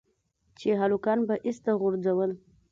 چې هلکانو به ايسته غورځول.